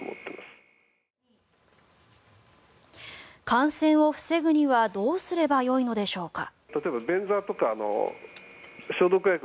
感染を防ぐにはどうすればよいのでしょうか。